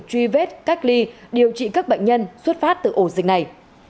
truy vết cách ly điều trị các bệnh nhân xuất phát từ ổ dịch này